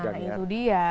nah itu dia